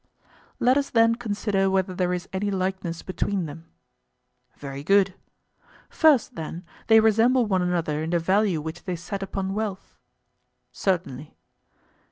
Let us then consider whether there is any likeness between them. Very good. First, then, they resemble one another in the value which they set upon wealth? Certainly.